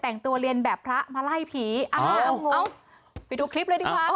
แต่งตัวเล็นแบบพระมาไล่ผีเอ้าไปดูคลิปเลยดีกว่า